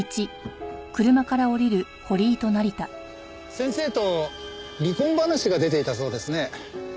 先生と離婚話が出ていたそうですね。